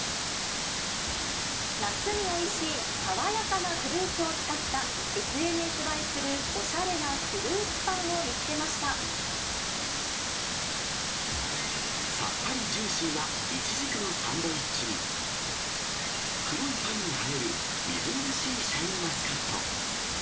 夏においしい爽やかなフルーツを使ったＳＮＳ映えする、おしゃれなフルーツパンを見つけさっぱりジューシーないちじくのサンドイッチに、黒いパンに映えるみずみずしいシャインマスカット。